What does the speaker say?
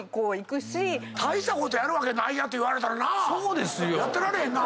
大したことやるわけないやんって言われたらやってられへんな。